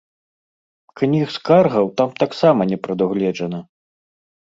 Кніг скаргаў там таксама не прадугледжана.